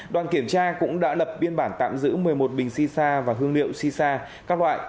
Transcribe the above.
đoàn kiểm tra cũng đã lập biên bản tạm giữ một mươi một bình si sa và hương liệu si sa các loại